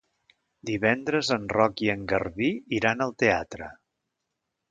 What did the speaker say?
Divendres en Roc i en Garbí iran al teatre.